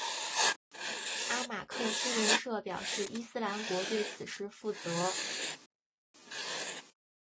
阿马克新闻社表示伊斯兰国对此事负责。